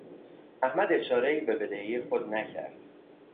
احمد اشارهای به بدهی خود نکرد.